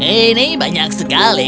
ini banyak sekali